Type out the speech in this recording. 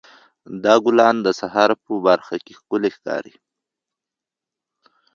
دا ګلان د سهار په پرخه کې ښکلي ښکاري.